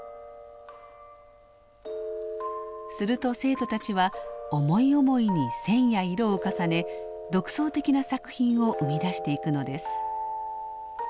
すると生徒たちは思い思いに線や色を重ね独創的な作品を生み出していくのです。